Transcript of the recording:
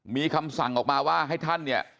มีคำสั่งออกมาว่าให้ท่านเนี่ย